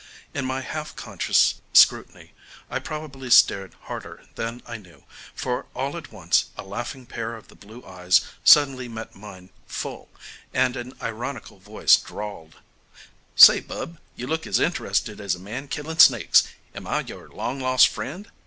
In my half conscious scrutiny I probably stared harder than I knew, for all at once a laughing pair of the blue eyes suddenly met mine full, and an ironical voice drawled, "Say, bub, you look as interested as a man killing snakes. Am I your long lost friend?"